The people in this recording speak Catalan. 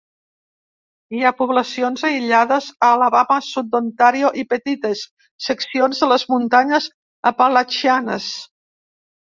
Hi ha poblacions aïllades a Alabama, sud d'Ontario i petites seccions de les muntanyes Apalatxianes